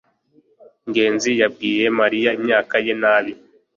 ngenzi yabwiye mariya imyaka ye nabi